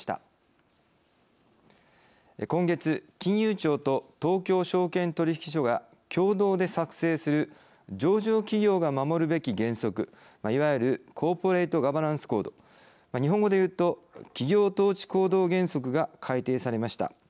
今月金融庁と東京証券取引所が共同で作成する上場企業が守るべき原則いわゆるコーポレートガバナンス・コード日本語でいうと企業統治行動原則が改訂されました。